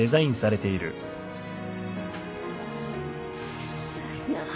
うっさいな。